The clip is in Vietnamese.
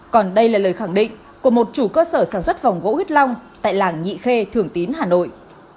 còn đây là lời khẳng định của một chủ cơ sở sản xuất vòng gỗ huyết long tại làng nhị khê thường tín hà nội